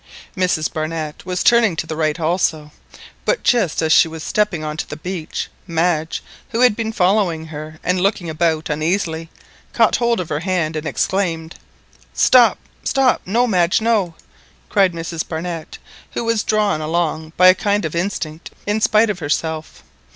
Mrs Barnett was turning to the right also, but just as she was stepping on to the beach, Madge, who had been following her and looking about uneasily, caught hold of her hand, and exclaimed— "Stop! stop!" "No, Madge, no!" cried Mrs Barnett, who was drawn along by a kind of instinct in spite of herself.